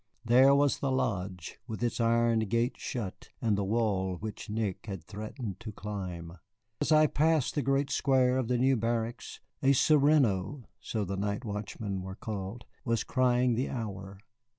There was the lodge, with its iron gates shut, and the wall which Nick had threatened to climb. As I passed the great square of the new barracks, a sereno (so the night watchmen were called) was crying the hour.